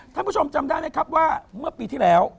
ท่านผู้ชมจำได้ไหมครับว่าเมื่อปีที่แล้ว